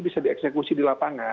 bisa dieksekusi di lapangan